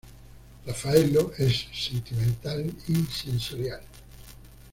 Raffaello es sentimental y sensorial.